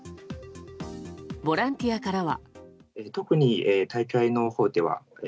ボランティアからは。